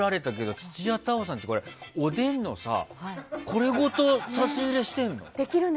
土屋太鳳さんがおでんのさ、これごと差し入れしてるの？